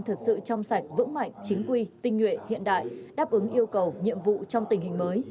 thật sự trong sạch vững mạnh chính quy tinh nguyện hiện đại đáp ứng yêu cầu nhiệm vụ trong tình hình mới